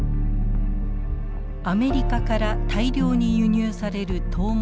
アメリカから大量に輸入されるトウモロコシ。